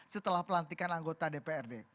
setelah pelantikan anggota dprd